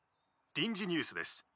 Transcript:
臨時ニュースです。